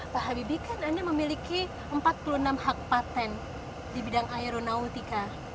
pak habibie kan anda memiliki empat puluh enam hak patent di bidang aeronautika